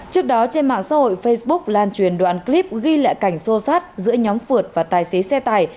trước đó trên mạng xã hội facebook lan truyền đoạn clip ghi lại cảnh sô sát giữa nhóm phượt và tài xế xe tải